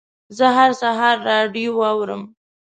زه هر سهار راډیو اورم.